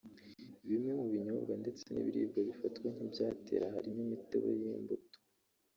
Bimwe mu binyobwa ndetse n’ibiribwa bifatwa nk’ibyayitera harimo imitobe y’imbuto